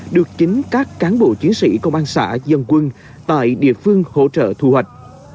được chính các cán bộ chiến sĩ công an xã dân quân tại địa phương hỗ trợ thu hoạch